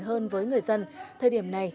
hơn với người dân thời điểm này